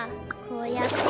こうやって。